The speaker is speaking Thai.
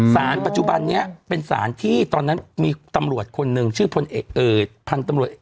ปัจจุบันนี้เป็นสารที่ตอนนั้นมีตำรวจคนหนึ่งชื่อพันธุ์ตำรวจเอก